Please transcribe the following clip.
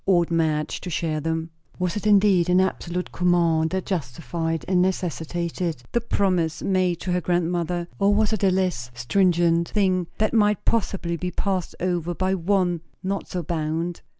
Ought Madge to share them? Was it indeed an absolute command that justified and necessitated the promise made to her grandmother? or was it a less stringent thing, that might possibly be passed over by one not so bound?